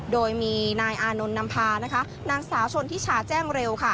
โดยมีนายอานนท์นำพานางสาวชนทิชาแจ้งเร็ว